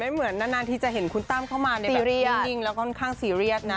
เหมือนนานทีจะเห็นคุณตั้มเข้ามาแบบนิ่งแล้วค่อนข้างซีเรียสนะ